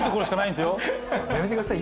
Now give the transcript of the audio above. やめてください